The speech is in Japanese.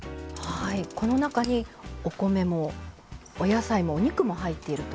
この中にお米もお野菜もお肉も入っていると。